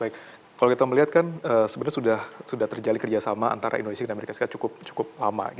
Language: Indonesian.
baik kalau kita melihat kan sebenarnya sudah terjalin kerjasama antara indonesia dan amerika serikat cukup lama